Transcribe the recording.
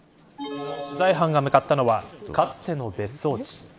取材班が向かったのはかつての別荘地。